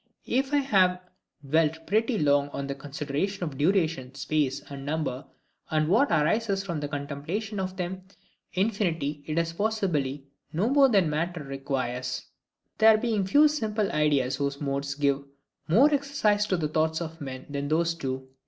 If I have dwelt pretty long on the consideration of duration, space, and number, and what arises from the contemplation of them,—Infinity, it is possibly no more than the matter requires; there being few simple ideas whose MODES give more exercise to the thoughts of men than those do.